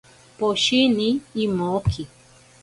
Poshini imoki.